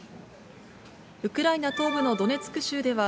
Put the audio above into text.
ウクライナ東部のドネツク州では、